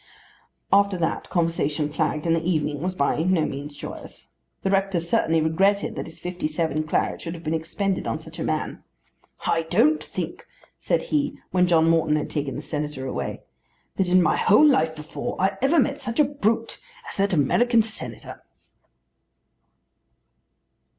After that conversation flagged and the evening was by no means joyous. The rector certainly regretted that his "'57" claret should have been expended on such a man. "I don't think," said he when John Morton had taken the Senator away, "that in my whole life before I ever met such a brute as that American Senator."